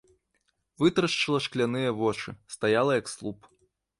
Вытрашчыла шкляныя вочы, стаяла як слуп.